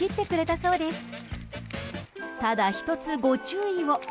ただ、１つご注意を。